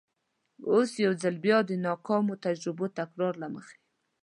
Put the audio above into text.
اوس یو ځل بیا د ناکامو تجربو تکرار له مخې.